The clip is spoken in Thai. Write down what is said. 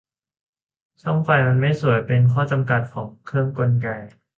ช่องไฟมันไม่สวย เป็นข้อจำกัดของเครื่องกลไก